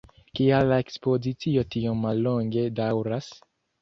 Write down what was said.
Kial la ekspozicio tiom mallonge daŭras?